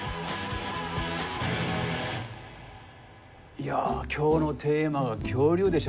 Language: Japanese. いや今日のテーマは「恐竜」でしょ。